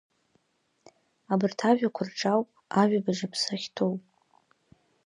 Абарҭ ажәақәа рҿы ауп ажәабжь аԥсы ахьҭоу.